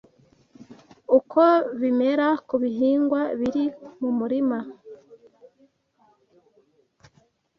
uko bimera ku bihingwa biri mu murima